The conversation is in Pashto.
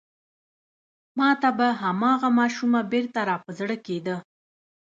ما ته به هماغه ماشومه بېرته را په زړه کېده.